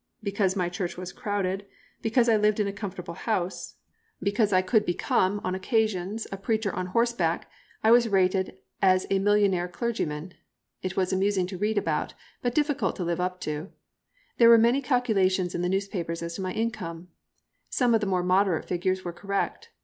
Because my church was crowded, because I lived in a comfortable house, because I could become, on occasions, a preacher on horseback, I was rated as a millionaire clergyman. It was amusing to read about, but difficult to live up to. There were many calculations in the newspapers as to my income. Some of the more moderate figures were correct.